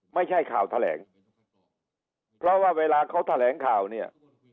ไม่ใช่ข่าวแถลงเพราะว่าเวลาเขาแถลงข่าวเนี่ย